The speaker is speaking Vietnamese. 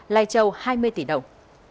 lai châu hai mươi tỷ đồng